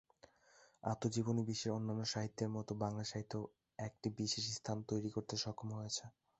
আত্মজীবনী বিশ্বের অন্যান্য সাহিত্যের মতো বাংলা সাহিত্যেও একটি বিশেষ স্থান তৈরি করতে সক্ষম হয়েছে।